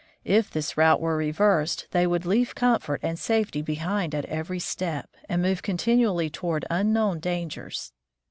If this route were reversed, they would leave comfort and safety behind at every step, and move continually toward unknown dangers.